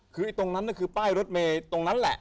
คือตรงนั้นคือป้ายรถเมย์ตรงนั้นแหละ